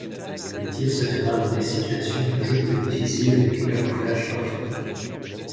Le tir se fera dans des situations toujours plus difficiles avec un camouflage parfait.